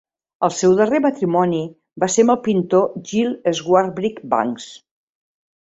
El seu darrer matrimoni va ser amb el pintor Jill Swarbrick-Banks.